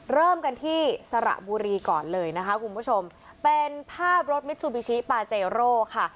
เริ่มกันที่สระบุรีก่อนเลยนะคะคุณผู้ชมเป็นภาพรถมิซูบิชิปาเจโร่ค่ะ